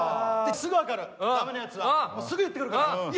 すぐ分かるダメなヤツはもうすぐ言ってくるから。